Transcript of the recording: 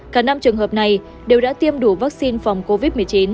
cả năm trường hợp này đều đã tiêm đủ vaccine phòng covid một mươi chín